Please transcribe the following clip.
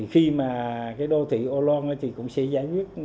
khi đô thị ô lan cũng sẽ giải quyết